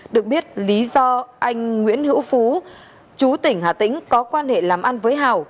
được biết lý do anh nguyễn hữu phú chú tỉnh hà tĩnh có quan hệ làm ăn với hảo